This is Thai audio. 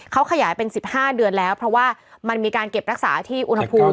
เขาขยายเป็น๑๕เดือนแล้วเพราะว่ามันมีการเก็บรักษาที่อุณหภูมิ